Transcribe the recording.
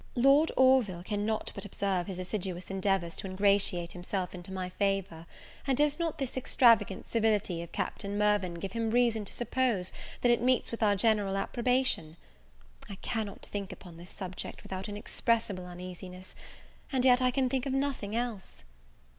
Lord Orville cannot but observe his assiduous endeavours to ingratiate himself into my favour; and does not this extravagant civility of Captain Mirvan give him reason to suppose that it meets with our general approbation? I cannot thimk upon this subject without inexpressible uneasiness; and yet I can think of nothing else.